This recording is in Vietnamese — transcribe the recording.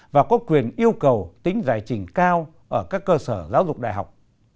và có quyền yêu cầu tính giải trình cao ở các cơ sở giáo dục đại học